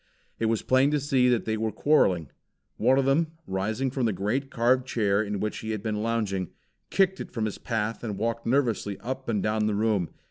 It was plain to see that they were quarreling. One of them, rising from the great carved chair in which he had been lounging, kicked it from his path and walked nervously up and down the room.